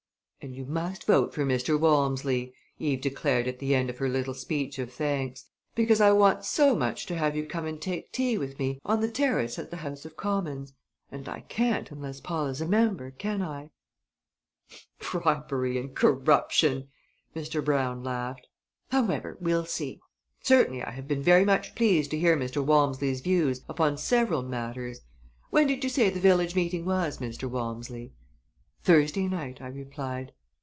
"And you must vote for Mr. Walmsley!" Eve declared at the end of her little speech of thanks, "because I want so much to have you come and take tea with me on the Terrace at the House of Commons and I can't unless Paul is a member, can I?" "Bribery and corruption!" Mr. Brown laughed. "However, we'll see. Certainly I have been very much pleased to hear Mr. Walmsley's views upon several matters. When did you say the village meeting was, Mr. Walmsley?" "Thursday night," I replied.